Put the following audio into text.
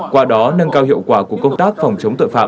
qua đó nâng cao hiệu quả của công tác phòng chống tội phạm